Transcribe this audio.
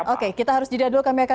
oke kita harus jadilah dulu